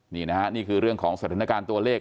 นี่นะฮะนี่คือเรื่องของสถานการณ์ตัวเลข